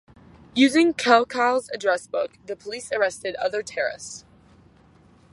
Using Kelkal's address book, the police arrested other terrorists.